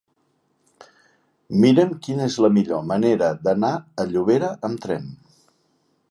Mira'm quina és la millor manera d'anar a Llobera amb tren.